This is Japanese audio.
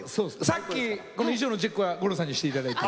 さっきこの衣装のチェックは五郎さんにしていただいて。